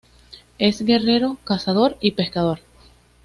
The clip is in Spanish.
Es guerrero, cazador y pescador.